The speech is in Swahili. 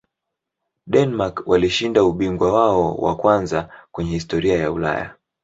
denmark walishinda ubingwa wao wa kwanza kwenye historia ya ulaya